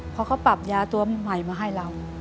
เขาก็ปรับยาตัวใหม่มาให้เรา